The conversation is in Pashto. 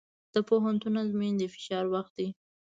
د پوهنتون ازموینې د فشار وخت دی.